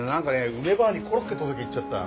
梅ばあにコロッケ届けに行っちゃった。